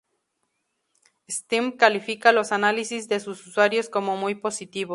Steam califica los análisis de sus usuarios como muy positivos.